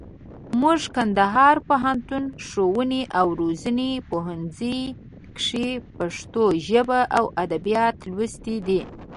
موږ کندهار پوهنتون، ښووني او روزني پوهنځي کښي پښتو ژبه او اودبيات لوستي دي.